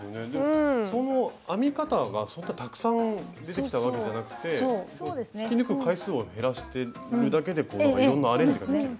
その編み方がたくさん出てきたわけじゃなくて引き抜く回数を減らしてるだけでいろんなアレンジができる。